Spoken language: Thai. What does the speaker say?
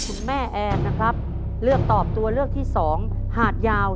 คุณแม่แอนนะครับเลือกตอบตัวเลือกที่สองหาดยาว